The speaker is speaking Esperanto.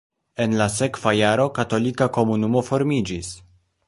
En la sekva jaro katolika komunumo formiĝis.